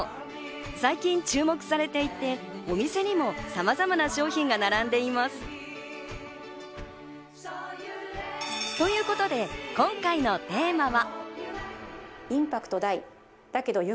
最近注目されていて、お店にもさまざまな商品が並んでいます。ということで、今回のテーマは。